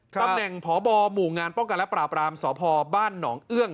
ตำแหน่งพบหมู่งานป้องกันและปราบรามสพบ้านหนองเอื้อง